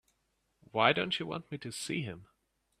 Why don't you want me to see him?